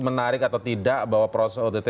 menarik atau tidak bahwa proses ott